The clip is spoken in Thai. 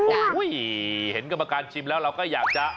โอ้โหเห็นกรรมการชิมแล้วเราก็อยากจะ